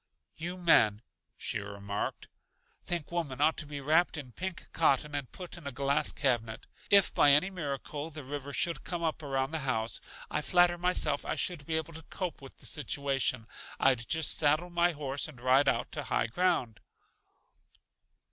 "You men," she remarked, "think women ought to be wrapped in pink cotton and put in a glass cabinet. If, by any miracle, the river should come up around the house, I flatter myself I should be able to cope with the situation. I'd just saddle my horse and ride out to high ground!"